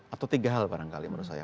atau tiga hal barangkali menurut saya